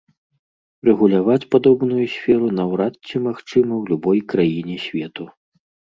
Рэгуляваць падобную сферу наўрад ці магчыма ў любой краіне свету.